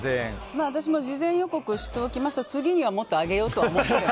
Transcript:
私も事前予告しておきますと次にはもっと上げようとは思ってます。